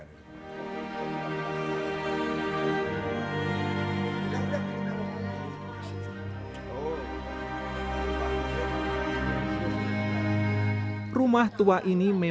baru sampai kab informationen